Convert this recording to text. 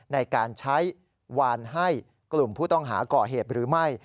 ในการใช้วานให้กลุ่มผู้ต้องหาก่อเหตุหรือไม่